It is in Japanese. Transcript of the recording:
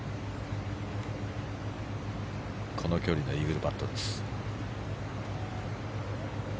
この距離のイーグルパットです。